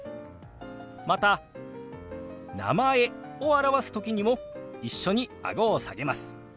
また「名前」を表す時にも一緒にあごを下げます。